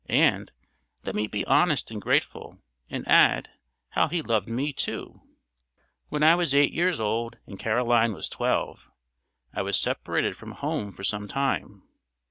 and, let me be honest and grateful, and add, how he loved me, too! When I was eight years old and Caroline was twelve, I was separated from home for some time.